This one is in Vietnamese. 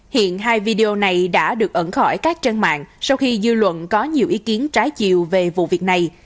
hiện hai video này đã được ẩn khỏi các trang mạng sau khi dư luận có nhiều ý kiến trái chiều về vụ việc này